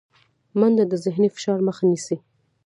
منډه د ذهني فشار مخه نیسي